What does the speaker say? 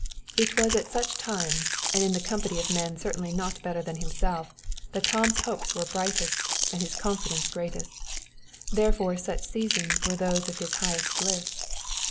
It was at such times, and in the company of men certainly not better than himself, that Tom's hopes were brightest, and his confidence greatest: therefore such seasons were those of his highest bliss.